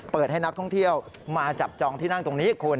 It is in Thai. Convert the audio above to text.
เปิดให้นักท่องเที่ยวมาจับจองที่นั่งตรงนี้คุณ